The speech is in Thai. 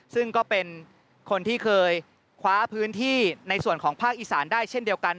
ซึ่งก็เป็นคนที่เคยคว้าพื้นที่ในส่วนของภาคอีสานได้เช่นเดียวกัน